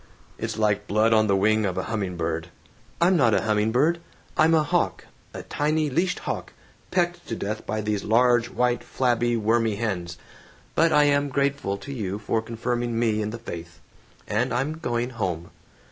It's like blood on the wing of a humming bird." "I'm not a humming bird. I'm a hawk; a tiny leashed hawk, pecked to death by these large, white, flabby, wormy hens. But I am grateful to you for confirming me in the faith. And I'm going home!"